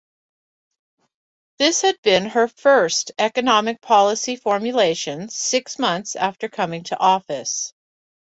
This had been her first economic policy formulation, six months after coming to office.